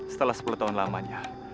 setelah sepuluh tahun lamanya